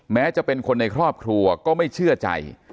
แม้จะเป็นคนในครอบครัวก็ไม่เชื่อใจ